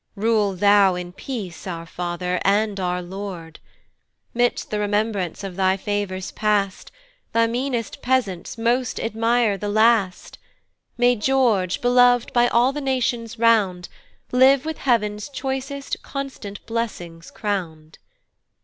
Rule thou in peace, our father, and our lord! Midst the remembrance of thy favours past, The meanest peasants most admire the last* May George, beloved by all the nations round, Live with heav'ns choicest constant blessings crown'd!